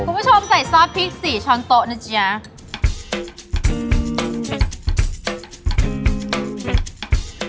คุณผู้ชมใส่ซอสพริก๔ช้อนโต๊ะนะจ๊ะ